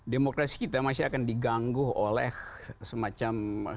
demokrasi kita masih akan diganggu oleh semacam